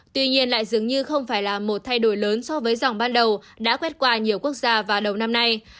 tuy nhiên lại dường như không phải là một thay đổi lớn so với dòng ban đầu đã quét qua nhiều quốc gia vào đầu năm nay